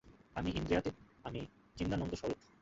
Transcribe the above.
আমি ইন্দ্রিয়াতীত, আমি চিদানন্দস্বরূপ।